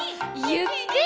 「ゆっくり」